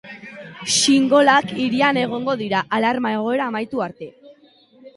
Xingolak hirian egongo dira alarma egoera amaitu arte.